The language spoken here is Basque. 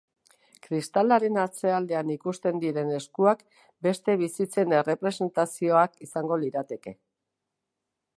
Kristalaren atzealdean ikusten diren eskuak beste bizitzen errepresentazioak izango lirateke.